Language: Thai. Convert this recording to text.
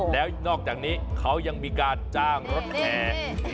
แล้วนอกจากนี้เขายังมีการจ้างรถแห่